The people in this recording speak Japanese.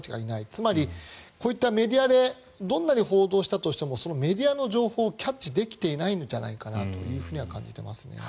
つまり、こういったメディアでどんなに報道したとしてもそのメディアの情報をキャッチできていないんじゃないかと感じています。